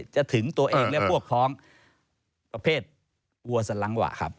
ถึงตัวเองและพวกพ้องประเภทวัวสลังหวะครับ